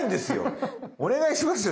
お願いしますよ